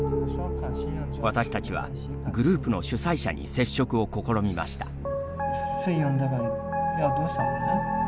私たちは、グループの主催者に接触を試みました。